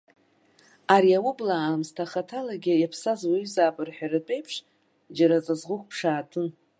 Ари аублаа аамсҭа хаҭалагьы иаԥсаз уаҩызаап рҳәартә еиԥш, џьара ҵаҵӷәык ԥшаатәын.